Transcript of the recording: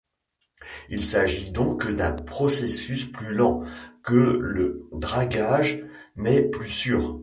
Il s'agit donc d'un processus plus lent que le dragage, mais plus sûr.